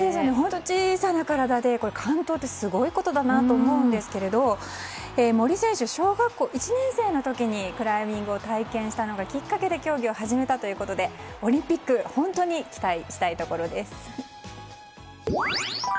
小さな体で完登ってすごいことだなって思うんですけど森選手は小学校１年生の時にクライミングを体験したのがきっかけで競技を始めたということでオリンピック本当に期待したいところです。